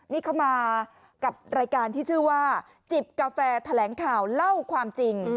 นี่เข้ามากับรายการที่ชื่อว่าจิบกาแฟแถลงข่าวเล่าความจริง